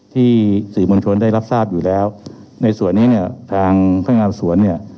ที่สื่อมวลชนได้รับทราบอยู่แล้วในส่วนนี้เนี่ยทางพนักงานสวนเนี่ย